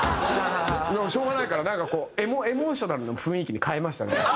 でもしょうがないからなんかこうエモーショナルな雰囲気に変えましたね。